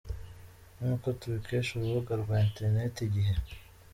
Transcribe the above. Nk'uko tubikesha urubuga rwa internet Igihe.